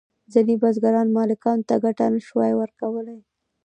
ځینې بزګران مالکانو ته ګټه نشوای ورکولی.